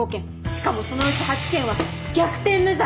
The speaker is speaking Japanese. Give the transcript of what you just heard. しかもそのうち８件は逆転無罪！